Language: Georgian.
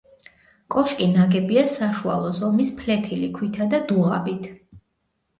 კოშკი ნაგებია საშუალო ზომის ფლეთილი ქვითა და დუღაბით.